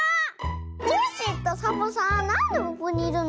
コッシーとサボさんなんでここにいるの？